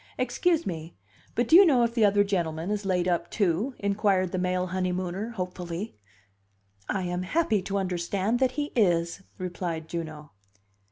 "Excuse me, but do you know if the other gentleman is laid up, too?" inquired the male honeymooner, hopefully. "I am happy to understand that he is," replied Juno.